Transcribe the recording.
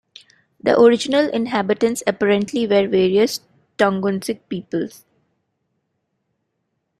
The original inhabitants apparently were various Tungusic peoples.